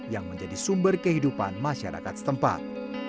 yang menjadi sumber kehidupan masyarakat setempat